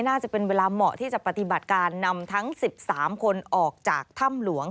น่าจะเป็นเวลาเหมาะที่จะปฏิบัติการนำทั้ง๑๓คนออกจากถ้ำหลวง